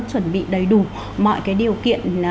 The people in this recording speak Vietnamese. chuẩn bị đầy đủ mọi cái điều kiện